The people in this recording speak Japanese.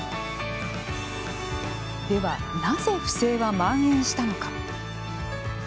では、なぜ不正はまん延したのか。